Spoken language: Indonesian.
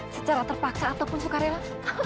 secara terpaksa ataupun sukarela